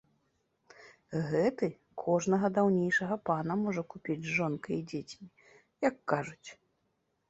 Гэты кожнага даўнейшага пана можа купіць з жонкаю і дзецьмі, як кажуць.